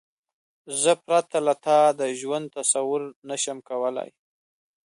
زه پرته له تا د ژوند تصور نشم کولای.